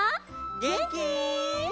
げんき？